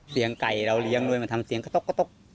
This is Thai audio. ไก่เราเลี้ยงด้วยมันทำเสียงกระต๊กกระต๊ก